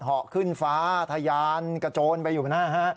อกขึ้นฟ้าทะยานกระโจนไปอยู่นะฮะ